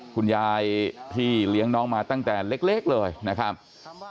คุณยายที่เลี้ยงน้องมาตั้งแต่เล็กเลยนะครับ